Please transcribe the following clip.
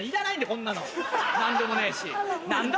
こんなの何でもねえし何だ？